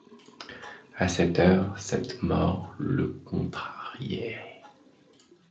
À cette heure, cette mort le contrariait.